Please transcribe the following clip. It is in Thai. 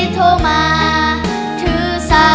ขอบคุณครับ